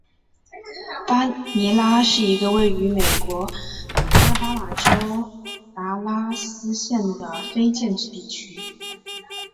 马尼拉是一个位于美国阿拉巴马州达拉斯县的非建制地区。